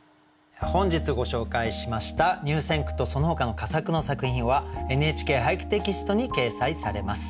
本日ご紹介しました入選句とそのほかの佳作の作品は「ＮＨＫ俳句」テキストに掲載されます。